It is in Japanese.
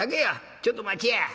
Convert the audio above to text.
ちょっと待ちや。